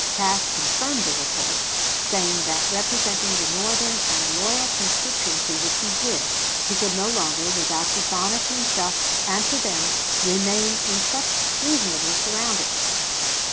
Cass confirmed the report, saying that representing the Northern and loyal constituency which he did, he could no longer without dishonor to himself and to them remain in such treasonable surroundings.